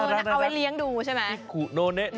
ตัวเล็กเอาไว้เลี้ยงดูใช่ไหม